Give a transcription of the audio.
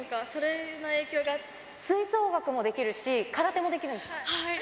吹奏楽もできるし、空手もではい。